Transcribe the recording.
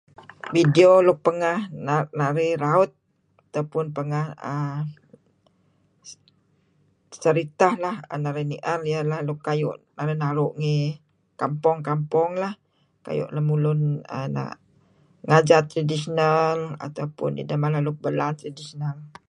Video luk pengah narih raut atau pun pengah aah seritah lah an narih ni'er luk kuayu' narih naru' ngi kampong-kampong lah kuayu' lemulun aah na' ngajat traditional ataupun idah mala luk belaan traditional